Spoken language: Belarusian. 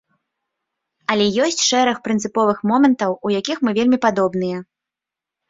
Але ёсць шэраг прынцыповых момантаў, у якіх мы вельмі падобныя.